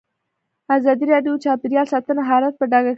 ازادي راډیو د چاپیریال ساتنه حالت په ډاګه کړی.